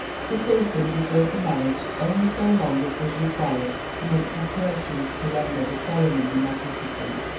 The sultan deferred the marriage only so long as was required to make preparations to render the ceremony magnificent.